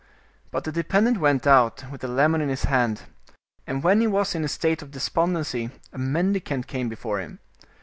But the dependent went out, with the lemon in his hand, and when he was in a state of despondency, a mendicant came before him.